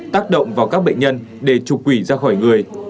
tác động vào các bệnh nhân để trục quỷ ra khỏi người